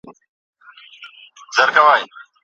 شاګرد صیب، د لوړ ږغ سره دا پاڼه ړنګه کړه.